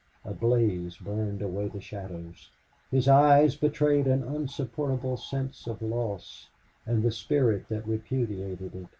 A blaze burned away the shadows. His eyes betrayed an unsupportable sense of loss and the spirit that repudiated it.